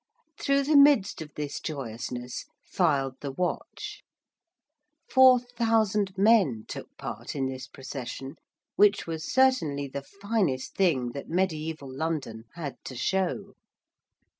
Through the midst of this joyousness filed the Watch. Four thousand men took part in this procession which was certainly the finest thing that Mediæval London had to show.